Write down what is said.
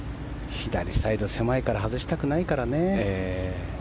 左狭いから外したくないからね。